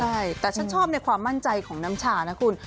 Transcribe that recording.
ใช่แต่ฉันชอบในความมั่นใจของน้ำชานะคุณ